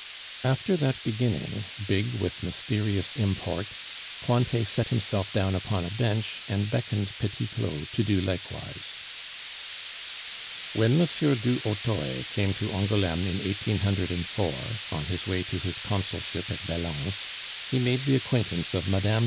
After that beginning, big with mysterious import, Cointet set himself down upon a bench, and beckoned Petit Claud to do likewise. "When M. du Hautoy came to Angouleme in 1804, on his way to his consulship at Valence, he made the acquaintance of Mme.